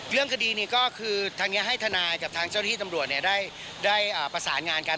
เรื่องคดีนี้ก็คือทางนี้ให้ทนายกับทางเจ้าที่ตำรวจได้ประสานงานกัน